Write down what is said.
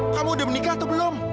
kamu udah menikah atau belum